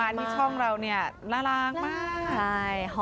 มาบริสต์วีดีโอของเราเนี้ยน่าร่ากมาก